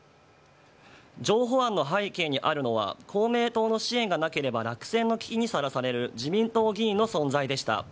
譲歩案の背景にあるのは、公明党の支援がなければ落選の危機にさらされる自民党議員の存在でした。